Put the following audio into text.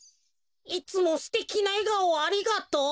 「いつもすてきなえがおをありがとう。